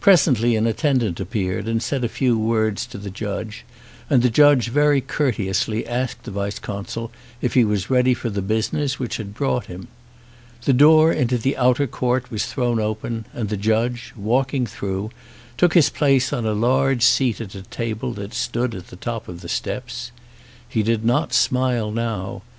Presently an at tendant appeared and said a few words to the judge, and the judge very courteously asked the vice consul if he was ready for the business which had brought him. The door into the outer court was thrown open and the judge, walking through, took his place on a large seat at a table that stood at the top of the steps. He did not smile now.